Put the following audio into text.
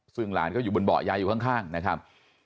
ซึ่งหลานก็อยู่บนเบาะยายอยู่ข้างนะครับ